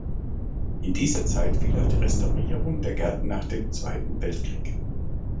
In dieser Zeit fiel auch die Restaurierung der Gärten nach dem Zweiten Weltkrieg.